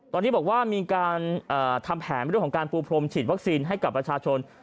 ตอนนี้บอกว่ามีการทำแผนเรื่องของการปูพรมฉีดวัคซีนให้กับประชาชน